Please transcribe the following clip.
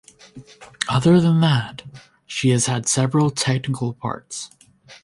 Other than that, she has had several technical parts.